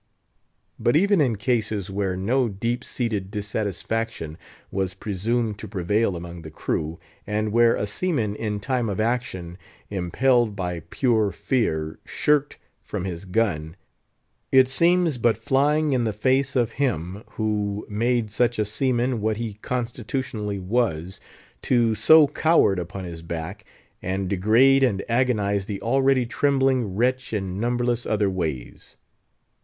But even in cases where no deep seated dissatisfaction was presumed to prevail among the crew, and where a seaman, in time of action, impelled by pure fear, "shirked from his gun;" it seems but flying in the face of Him who made such a seaman what he constitutionally was, to sew coward upon his back, and degrade and agonise the already trembling wretch in numberless other ways.